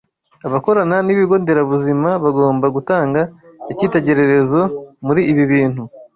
Abakorana n’Ibigo Nderabuzima bagomba gutanga icyitegererezo muri ibi bintu.